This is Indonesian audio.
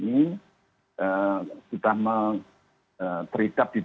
yaudah ya sudah mengolahkan dulu